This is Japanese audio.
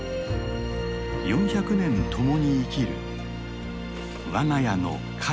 ４００年共に生きる我が家の神様の木だ。